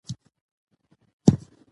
د افغانستان طبیعت له ژمی څخه جوړ شوی دی.